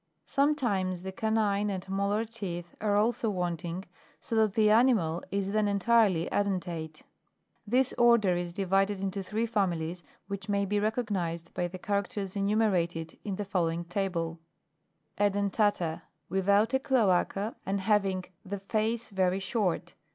(Plate 4. fig. 3.) Sometimes the canine and molar teeth are also wanting, so that the animal is then entirely edentate. This order is divided into three families which may be recognised by the characters enu merated in the following table : (Families.) {The face very short.